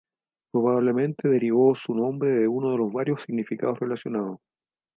Probablemente derivó su nombre de uno de los varios significados relacionados.